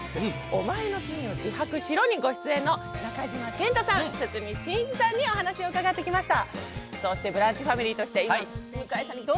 「おまえの罪を自白しろ」にご出演の中島健人さん、堤真一さんにお話を伺ってきました。